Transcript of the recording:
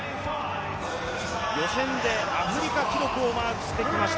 予選でアフリカ記録をマークしてきました。